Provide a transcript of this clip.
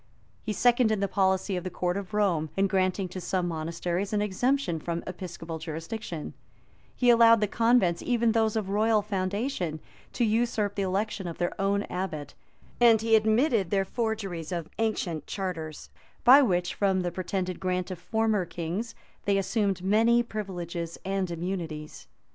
He seconded the policy of the court of Rome, in granting to some monasteries an exemption from episcopal jurisdiction; he allowed the convents, even those of royal foundation, to usurp the election of their own abbot; and he admitted their forgeries of ancient charters, by which, from the pretended grant of former kings, they assumed many privileges and immunities.